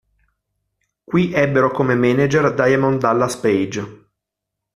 Qui ebbero come manager Diamond Dallas Page.